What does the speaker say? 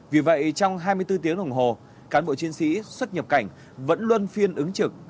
vì vậy trong hai mươi bốn tiếng đồng hồ cán bộ chiến sĩ xuất nhập cảnh vẫn luôn phiên ứng trực